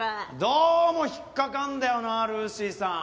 どうも引っかかるんだよなルーシーさん。